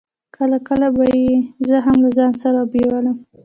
کله کله به يې زه هم له ځان سره بېولم.